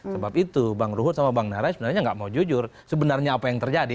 sebab itu bang ruhut sama bang nara sebenarnya nggak mau jujur sebenarnya apa yang terjadi